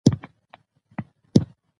او ددې دواړو رازونو رب ،